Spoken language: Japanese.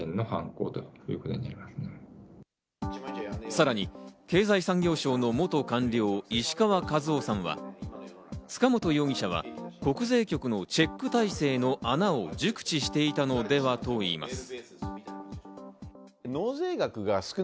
さらに経済産業省の元官僚・石川和男さんは、塚本容疑者は国税局のチェック体制の穴を熟知していたのではといいます。